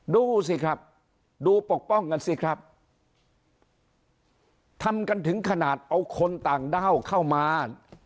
ดูสิครับดูปกป้องกันสิครับทำกันถึงขนาดเอาคนต่างด้าวเข้ามา